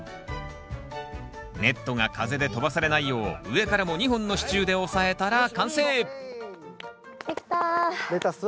ネットが風で飛ばされないよう上からも２本の支柱で押さえたら完成出来た。